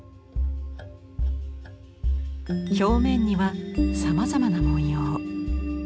表面にはさまざまな文様。